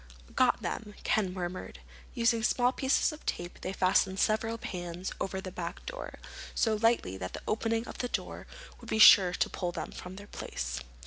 "Got them," Ken murmured. Using small pieces of tape they fastened several pans over the back door, so lightly that the opening of the door would be sure to pull them from their place.